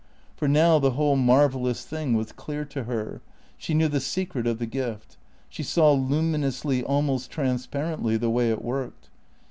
For now the whole marvellous thing was clear to her. She knew the secret of the gift. She saw luminously, almost transparently, the way it worked.